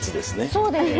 そうですね。